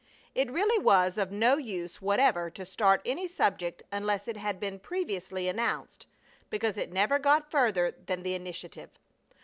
It really was of no use whatever to start any subject unless it had been previously announced, because it never got further than the initiative.